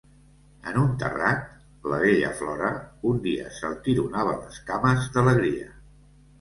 En un terrat, la bella Flora, un dia, saltironava les cames d'alegria.